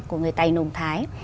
của người tài nùng thái